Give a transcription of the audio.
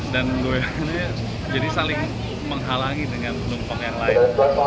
dan goyangnya jadi saling menghalangi dengan lompong yang lain